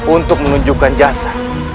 untuk menunjukkan jasa